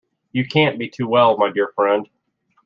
You can't be too well, my dear friend.